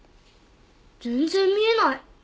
全然見えない。